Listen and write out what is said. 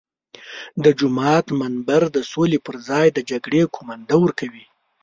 د جومات منبر د سولې پر ځای د جګړې قومانده ورکوي.